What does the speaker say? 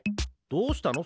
どうしたの？